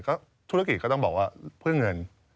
ก็ธุรกิจก็ต้องบอกว่าเพื่อเงิน